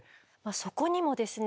そこにもですね